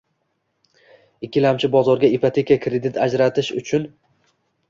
Ikkilamchi bozorga ipoteka kredit ajratish juda tez oshib bormoqda.